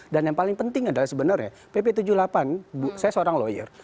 dan yang paling penting adalah sebenarnya pp tujuh puluh delapan saya seorang lawyer